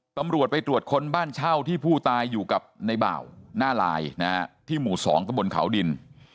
ตำรวจไปตรวจค้นบ้านเช่าที่ผู้ตายอยู่กับในบ่าวหน้าลายที่หมู่๒ตะบนเขาดิน